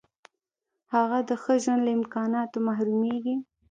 هغه د ښه ژوند له امکاناتو محرومیږي.